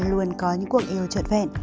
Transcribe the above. luôn có những cuộc yêu trợn vẹn